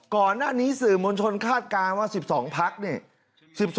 ก่อนหน้านี้สื่อมวลชนคาดการณ์ว่า๑๒พักเนี่ย